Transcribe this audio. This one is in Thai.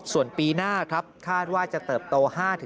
ส่วนปีหน้าครับคาดว่าจะเติบโต๕๓